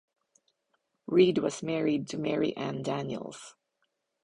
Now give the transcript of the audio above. Read was married to Mary Ann Daniels.